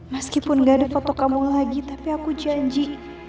meskipun gak ada foto kamu lagi tapi aku janji